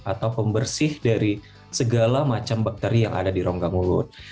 atau pembersih dari segala macam bakteri yang ada di rongga mulut